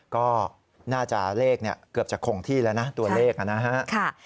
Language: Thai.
ก็น่าจะเลขนี่เกือบคลงที่แล้วนะตัวเลขนะฮะ